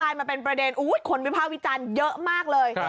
มาเป็นประเด็นคนวิภาควิจารณ์เยอะมากเลย